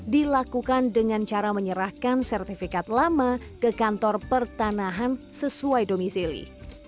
dilakukan dengan cara menyerahkan sertifikat lama ke kantor pertanahan sesuai domisili